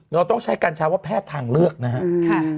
เราต้องใช้กัญชาว่าแพทย์ทางเลือกนะครับ